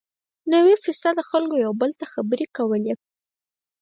نوي فیصده خلکو یو او بل ته خبرې کولې.